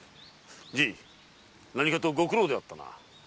じい何かとご苦労であったな。